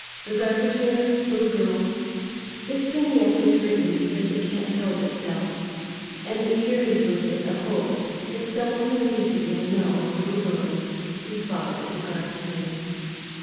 The Garbage Man's Little Girl This vignette is written because it can't help itself and carries with it a hope that someone who reads it may know a little girl whose father is a garbage man.